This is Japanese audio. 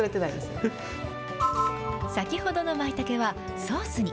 先ほどのまいたけは、ソースに。